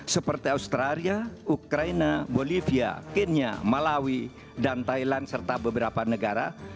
seperti australia ukraina bolivia kenya malawi dan thailand serta beberapa negara